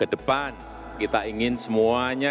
kedepan kita ingin semuanya